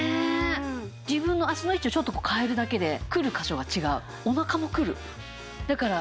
自分の足の位置をちょっと変えるだけでくる箇所が違う。